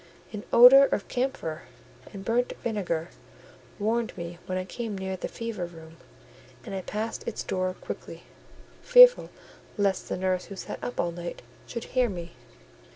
An odour of camphor and burnt vinegar warned me when I came near the fever room: and I passed its door quickly, fearful lest the nurse who sat up all night should hear me.